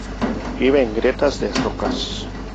Vive en grietas de rocas.